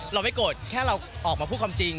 เราไม่โกรธแค่เราออกมาพูดความจริง